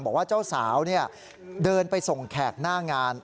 บอกว่าเจ้าสาวเดินไปส่งแขกหน้างาน